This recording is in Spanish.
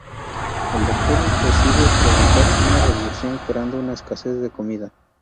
El Doctor decide provocar una revolución creando una escasez de comida.